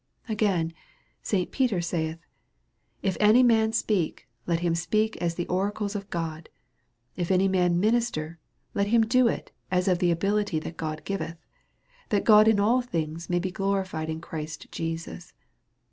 Again; St. Peter saith, i/'am/ m«?« speak, let him speak as the oracles of God; if any man minister, let him do it as of the ability that God giveth ; that God in all things may be glorified in Christ Jesus.